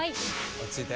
落ち着いて。